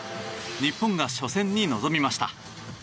日本が初戦に臨みました。